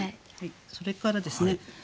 それからですね